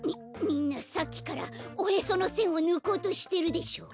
みんなさっきからおへそのせんをぬこうとしてるでしょ！？